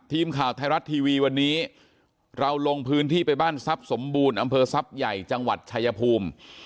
ทีมข่าวไทยรัฐทีวีวันนี้เราลงพื้นที่ไปบ้านทรัพย์สมบูรณ์อำเภอทรัพย์ใหญ่จังหวัดชายภูมิ